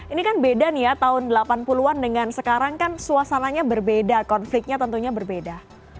ini kan beda nih ya tahun delapan puluh an dengan sekarang kan suasananya berbeda konfliknya tentunya berbeda